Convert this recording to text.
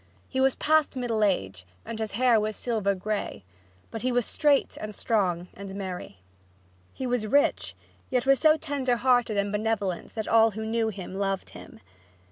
He was past middle age, and his hair was silver gray, but he was straight and strong and merry. He was rich, yet was so tender hearted and benevolent that all who knew him loved him.